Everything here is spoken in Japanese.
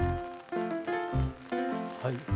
はい。